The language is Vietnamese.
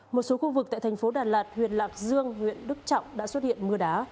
một số khu vực tại thành phố đà lạt huyện lạc dương huyện đức trọng đã xuất hiện mưa đá